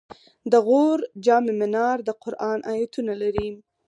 د غور جام منار د قرآن آیتونه لري